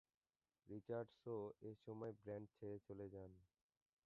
রিচার্ডসও এই সময়ে ব্যান্ড ছেড়ে চলে যান।